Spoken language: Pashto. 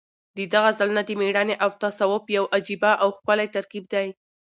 د ده غزلونه د مېړانې او تصوف یو عجیبه او ښکلی ترکیب دی.